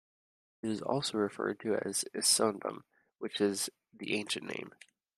It is also referred to as Issoundun, which is the ancient name.